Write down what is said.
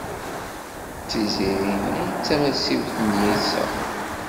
D Tiziri ay d tamasiwt n yiseɣ.